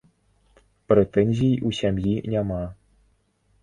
Прэтэнзій у сям'і няма.